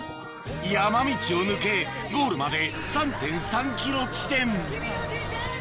山道を抜けゴールまで３．３ｋｍ地点